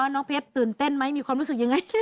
น้องเพชรตื่นเต้นไหมมีความรู้สึกยังไง